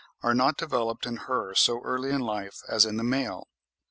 are not developed in her so early in life as in the male.